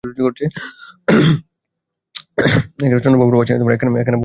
চন্দ্রবাবুর বাসায় একখানা বই ফেলে এসেছি, সেইটে খুঁজতে যাচ্ছি।